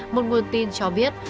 một nguồn tin cho biết